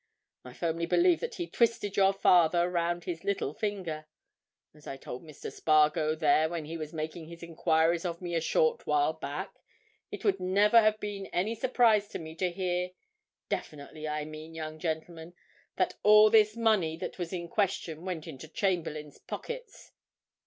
I firmly believe that he twisted your father round his little finger. As I told Mr. Spargo there when he was making his enquiries of me a short while back, it would never have been any surprise to me to hear—definitely, I mean, young gentlemen—that all this money that was in question went into Chamberlayne's pockets.